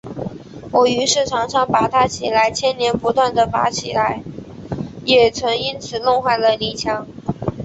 我于是常常拔它起来，牵连不断地拔起来，也曾因此弄坏了泥墙